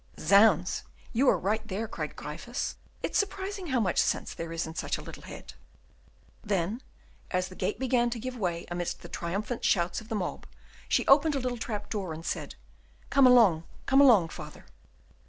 "Zounds, you are right, there!" cried Gryphus; "it's surprising how much sense there is in such a little head!" Then, as the gate began to give way amidst the triumphant shouts of the mob, she opened a little trap door, and said, "Come along, come along, father."